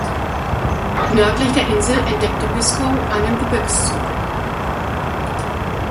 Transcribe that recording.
Nördlich der Insel entdeckte Biscoe einen Gebirgszug.